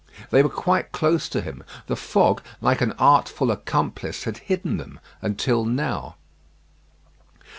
They were quite close to him. The fog, like an artful accomplice, had hidden them until now.